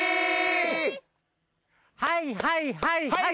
はいはいはいはい。